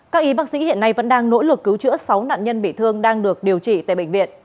các y bác sĩ hiện nay vẫn đang nỗ lực cứu chữa sáu nạn nhân bị thương đang được điều trị tại bệnh viện